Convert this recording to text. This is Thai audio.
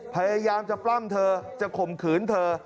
พยายามจะปล้ำเธอจะข่มขืนเธอ